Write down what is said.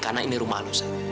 karena ini rumah lo sat